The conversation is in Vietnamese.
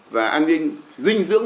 và an ninh dinh dịch